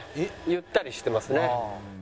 ゆったりしてますね。